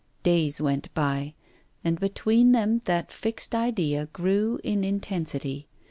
Days went by, and between them that fixed idea grew in intensity.